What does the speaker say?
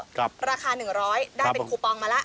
ราคา๑๐๐ได้เป็นคูปองมาแล้ว